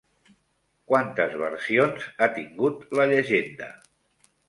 Quantes versions ha tingut la llegenda?